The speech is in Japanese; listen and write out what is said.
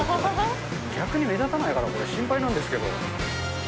逆に目立たないかな、これ、心配なんですけど。